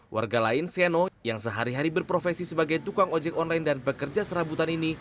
warga lain seno yang sehari hari berprofesi sebagai tukang ojek online dan pekerja serabutan ini